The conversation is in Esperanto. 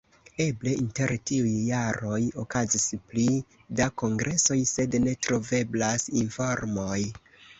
Eble inter tiuj jaroj okazis pli da kongresoj, sed ne troveblas informoj.